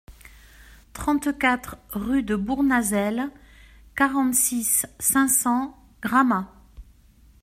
trente-quatre rue de Bournazel, quarante-six, cinq cents, Gramat